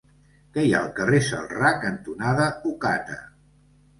Què hi ha al carrer Celrà cantonada Ocata?